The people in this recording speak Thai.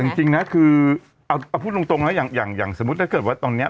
เอาแต่จริงจริงน่ะคือเอาเอาพูดลงตรงนะอย่างอย่างอย่างสมมุติถ้าเกิดว่าตอนเนี้ย